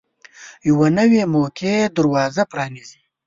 یوه نوې موقع دروازه پرانیزي.